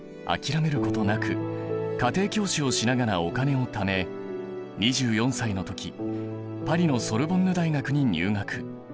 諦めることなく家庭教師をしながらお金をため２４歳の時パリのソルボンヌ大学に入学。